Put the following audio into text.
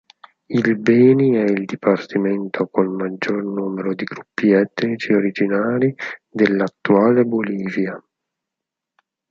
Il Beni è il dipartimento col maggior numero di gruppi etnici originari dell'attuale Bolivia.